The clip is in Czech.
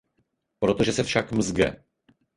Protože se však Msgre.